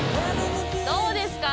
どうですか？